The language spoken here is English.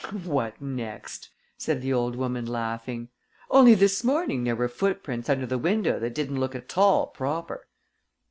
"What next!" said the old woman, laughing. "Only this morning there were footprints under the window that didn't look at all proper!"